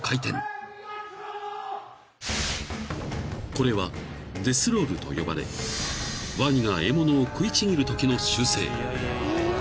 ［これはデスロールと呼ばれワニが獲物を食いちぎるときの習性］